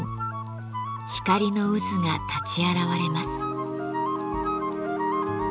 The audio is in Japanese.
光の渦が立ち現れます。